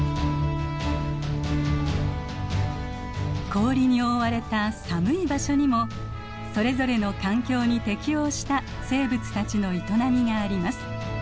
氷に覆われた寒い場所にもそれぞれの環境に適応した生物たちの営みがあります。